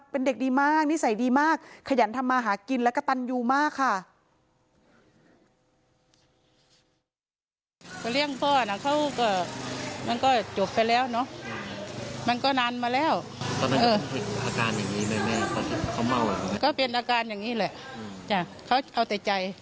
เป็นเด็กดีมากนิสัยดีมากขยันทำมาหากินและกระตันยูมากค่ะ